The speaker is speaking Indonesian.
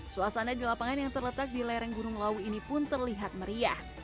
suasana di lapangan yang terletak di lereng gunung lawu ini pun terlihat meriah